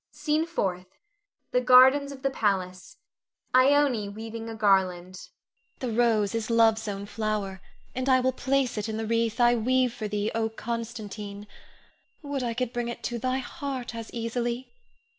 SCENE FOURTH. [The gardens of the palace. Ione weaving a garland.] Ione. The rose is Love's own flower, and I will place it in the wreath I weave for thee, O Constantine! Would I could bring it to thy heart as easily!